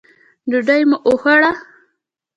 ډوډۍ مو وخوړه.